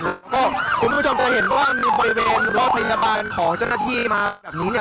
คุณผู้ชมจะเห็นว่ามีบริเวณรอบพยาบาลของเจ้าหน้าที่มาแบบนี้เนี่ย